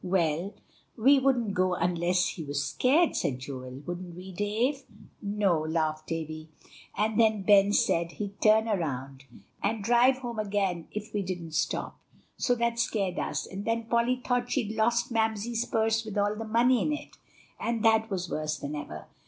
"Well, he wouldn't go unless he was scared," said Joel, "would he, Dave?" "No," laughed Davie; "and then Ben said he'd turn around and drive home again if we didn't stop, so that scared us; and then Polly thought she'd lost Mamsie's purse with all the money in it, and that was worse than ever."